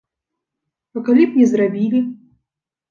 А калі б не зрабілі?